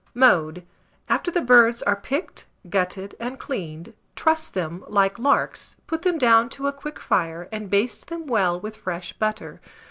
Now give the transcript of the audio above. Mode. After the birds are picked, gutted, and cleaned, truss them like larks, put them down to a quick fire, and baste them well with fresh butter.